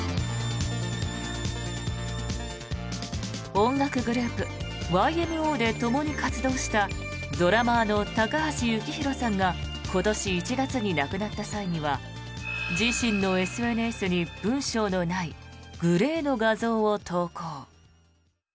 音楽グループ、ＹＭＯでともに活動したドラマーの高橋幸宏さんが今年１月に亡くなった際には自身のＳＮＳに文章のないグレーの画像を投稿。